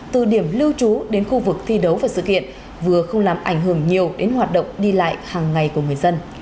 từ điểm lưu trú đến khu vực thi đấu và sự kiện vừa không làm ảnh hưởng nhiều đến hoạt động đi lại hàng ngày của người dân